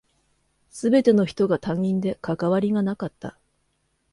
全ての人が他人で関わりがなかった。